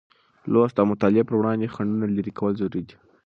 لوست او مطالعې پر وړاندې خنډونه لېرې کول ضروري دی.